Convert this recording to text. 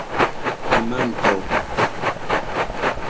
amanto